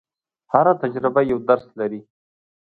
هره تجربه یو درس لري.